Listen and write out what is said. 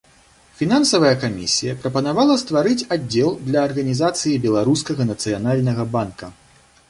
Фінансавая камісія прапанавала стварыць аддзел для арганізацыі беларускага нацыянальнага банка.